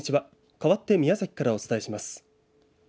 かわって宮崎からお伝えします。